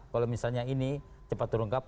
kalau misalnya ini cepat terungkap